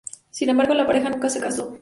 Sin embargo, la pareja nunca se casó.